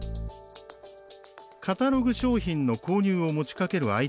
カタログ商品の購入を持ちかける